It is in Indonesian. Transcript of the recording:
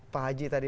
pak haji tadi